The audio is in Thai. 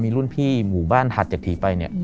มีรุ่นพี่หมู่บ้านถาดจากทีไป